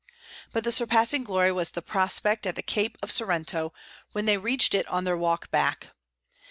But the surpassing glory was the prospect at the Cape of Sorrento when they reached it on their walk back.